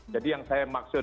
jadi yang saya maksud